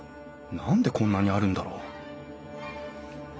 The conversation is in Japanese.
何でこんなにあるんだろう？